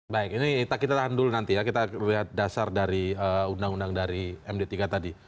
baik ini kita tahan dulu nanti ya kita lihat dasar dari undang undang dari md tiga tadi